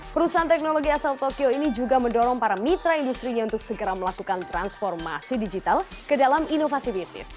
perusahaan teknologi asal tokyo ini juga mendorong para mitra industri nya untuk segera melakukan transformasi digital ke dalam inovasi bisnis